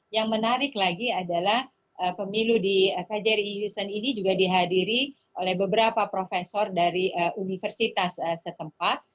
yang menarik lagi adalah pemilu di kjri jurison ini juga dihadiri oleh beberapa profesor dari universitas setempat